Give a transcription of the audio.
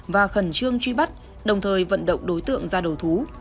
và khẩn trương truy bắt đồng thời vận động đối tượng ra đầu thú